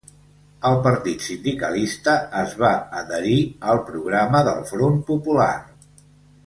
El Partit Sindicalista es va adherir al programa del Front Popular.